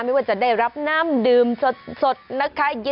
ไม่ว่าจะได้รับน้ำดื่มสดนะคะ